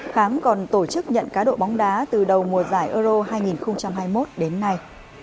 khám còn tổ chức nhận cá độ bóng đá từ đầu mùa giải euro hai nghìn hai mươi một đến nay